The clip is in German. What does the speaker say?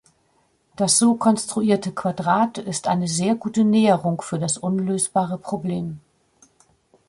Das so konstruierte Quadrat ist eine sehr gute Näherung für das unlösbare Problem.